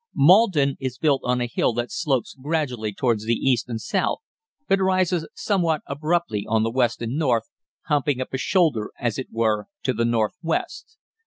"Maldon is built on a hill that slopes gradually towards the east and south, but rises somewhat abruptly on the west and north, humping up a shoulder, as it were, to the north west.